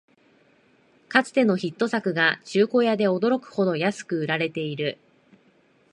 かつてのヒット作が中古屋で驚くほど安く売られてる